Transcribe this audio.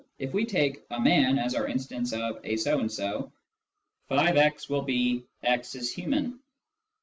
if we take " a man " as our instance of " a so and so," <f>x will be " x is human.")